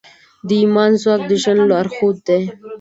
د ایمان ځواک د ژوند لارښود دی.